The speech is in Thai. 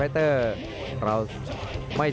ไม่ส่งเสิร์ฟให้เล่นการธนาน